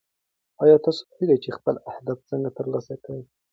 ایا تاسو پوهېږئ چې خپل اهداف څنګه ترلاسه کړئ؟